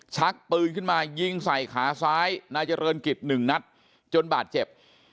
ชักปืนขึ้นมายิงใส่ขาซ้ายนายเจริญกิจหนึ่งนัดจนบาดเจ็บ